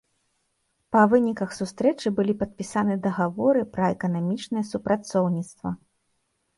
Па выніках сустрэчы былі падпісаны дагаворы пра эканамічнае супрацоўніцтва.